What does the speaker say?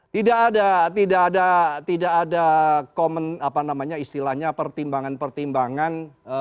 tidak ada tidak ada komen apa namanya istilahnya pertimbangan pertimbangan